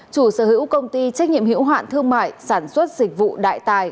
chủ sở hữu công ty trách nhiệm hiệu hoạn thương mại sản xuất dịch vụ đại tài